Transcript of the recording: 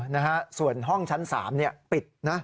นะฮะส่วนห้องชั้น๓ปิดนะ